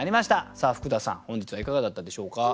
さあ福田さん本日はいかがだったでしょうか？